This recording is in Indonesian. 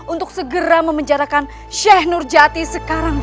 untuk segera memenjarakan syekh nurjadi sekarang juga